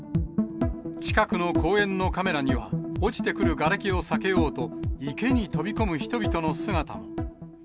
近くの公園のカメラには、落ちてくるがれきを避けようと、池に飛び込む人々の姿も。